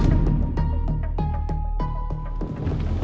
mbak punya informasi yang mbak harap semoga ini bisa melunakan hati nino